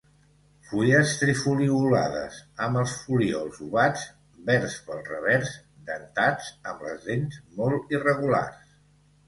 Fulles trifoliolades, amb els folíols ovats, verds pel revers, dentats, amb les dents molt irregulars.